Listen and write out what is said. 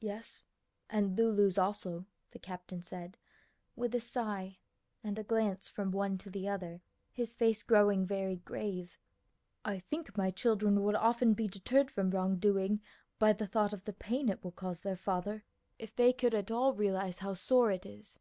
"Yes; and Lulu's also," the captain said, with a sigh and a glance from one to the other, his face growing very grave. "I think my children would often be deterred from wrongdoing by the thought of the pain it will cause their father, if they could at all realize how sore it is.